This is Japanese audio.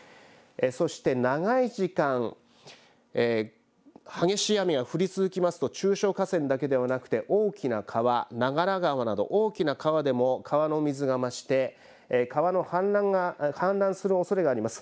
そして長い時間激しい雨が降り続きますと中小河川だけでなくて大きな川、長良川など大きな川でも川の水が増して川が氾濫するおそれがあります。